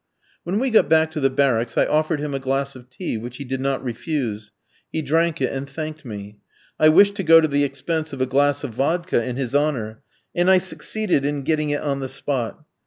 When we got back to the barracks I offered him a glass of tea, which he did not refuse. He drank it and thanked me. I wished to go to the expense of a glass of vodka in his honour, and I succeeded in getting it on the spot.